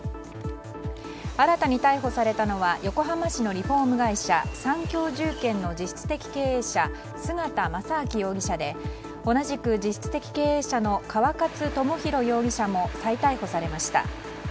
新たに逮捕されたのは横浜市のリフォーム会社三共住建の実質的経営者、菅田真彬容疑者で同じく実質的経営者の川勝智弘容疑者も再逮捕されました。